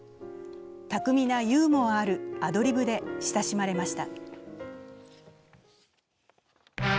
巧みなユーモアあるアドリブで親しまれました。